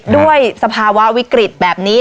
ด้วยสภาวะวิกฤทธิ์แบบนี้